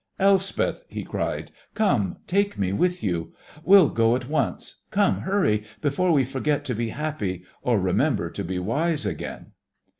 "Elspeth!" he cried, "come, take me with you! We'll go at once. Come hurry before we forget to be happy, or remember to be wise again